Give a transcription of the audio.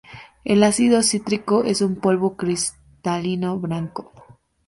El ácido cítrico es un polvo cristalino blanco.